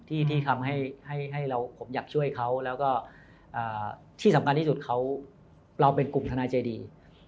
ที่ทำให้ผมอยากช่วยเขาแล้วก็ที่สำคัญที่สุดเขาเราเป็นกลุ่มทนายเจดี